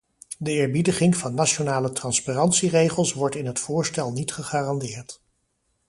De eerbiediging van nationale transparantieregels wordt in het voorstel niet gegarandeerd.